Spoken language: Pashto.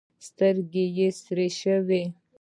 سترګې یې سرې شوې.